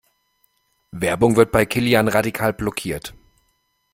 Werbung wird bei Kilian radikal blockiert.